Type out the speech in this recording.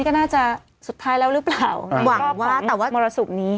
ก็น่าจะสุดท้ายแล้วหรือเปล่าหวังว่าแต่ว่ามรสุมนี้